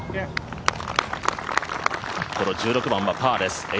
この１６番パーです。